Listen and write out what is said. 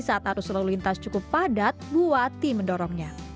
saat arus lalu lintas cukup padat buati mendorongnya